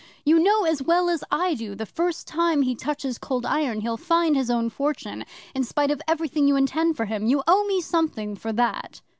"You know as well as I do, the first time he touches Cold Iron he'll find his own fortune, in spite of everything you intend for him. You owe me something for that."